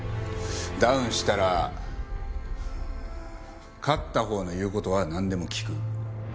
ダウンしたらうーん勝ったほうの言う事はなんでも聞く。